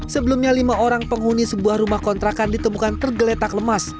sebelumnya lima orang penghuni sebuah rumah kontrakan ditemukan tergeletak lemas